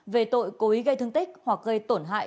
về tội cố ý gây thương tích hoặc gây tổn hại